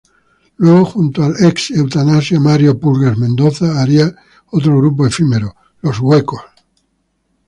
Luego, junto al ex Eutanasia, Mario "Pulgas" Mendoza, haría otro grupo efímero: Los Huecos.